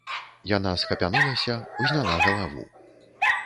Яна схапянулася, узняла галаву.